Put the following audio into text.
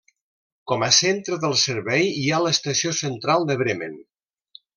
Com a centre del servei hi ha l'estació central de Bremen.